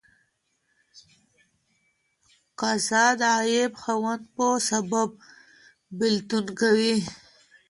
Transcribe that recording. قضا د غائب خاوند په سبب بيلتون کوي.